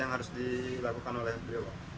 yang harus dilakukan oleh beliau